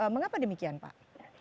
mengapa demikian pak